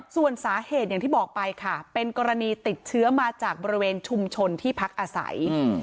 ส่วนสาเหตุอย่างที่บอกไปค่ะเป็นกรณีติดเชื้อมาจากบริเวณชุมชนที่พักอาศัย